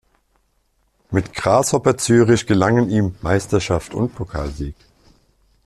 Mit Grasshopper Zürich gelangen ihm Meisterschaft und Pokalsieg.